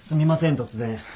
突然。